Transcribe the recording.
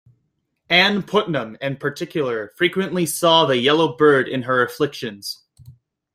Ann Putnam in particular frequently saw the yellow bird in her afflictions.